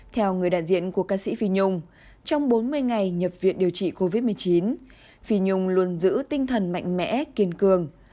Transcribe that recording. theo người đại diện của ca sĩ phi nhung trong bốn mươi ngày nhập viện điều trị covid một mươi chín phi nhung luôn giữ tinh thần mạnh mẽ kiên cường